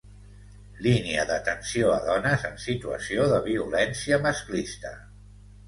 Línia d'atenció a dones en situació de violència masclista.